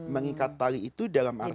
mengikat tali itu dalam arti